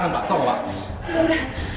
udah gak ada